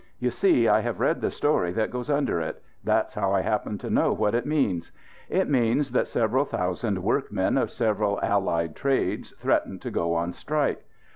You see, I have read the story that goes under it. That's how I happen to know what it means. It means that several thousand workmen of several allied trades threatened to go on strike.